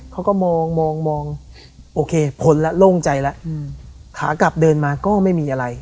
เขาก็มองมองโอเคพ้นแล้วโล่งใจแล้วขากลับเดินมาก็ไม่มีอะไร